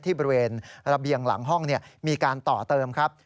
บริเวณระเบียงหลังห้องมีการต่อเติมครับ